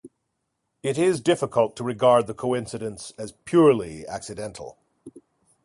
It is difficult to regard the coincidence as purely accidental.